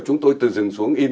chúng tôi từ rừng xuống in